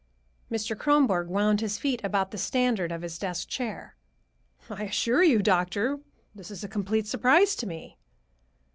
Mr. Kronborg wound his feet about the standard of his desk chair. "I assure you, doctor, this is a complete surprise to me."